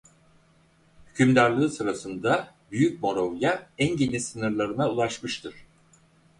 Hükümdarlığı sırasında Büyük Moravya en geniş sınırlarına ulaşmıştır.